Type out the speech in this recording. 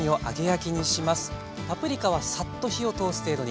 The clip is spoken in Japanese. パプリカはサッと火を通す程度に。